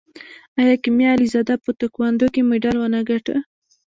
آیا کیمیا علیزاده په تکواندو کې مډال ونه ګټه؟